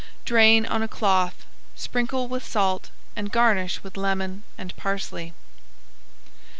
Drain on a cloth, sprinkle with salt, and garnish with lemon and parsley.